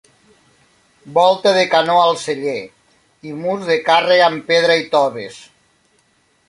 Volta de canó al celler i murs de càrrega amb pedra i toves.